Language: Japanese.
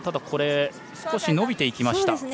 これ、少し伸びていきました。